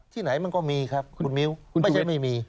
ที่ไหนมันก็มีครับคุณมิ้วไม่ใช่ไม่มี